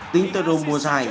tính tờ đồ mùa giải